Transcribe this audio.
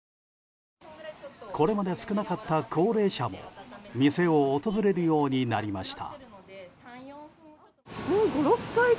これまで少なかった高齢者も店を訪れるようになりました。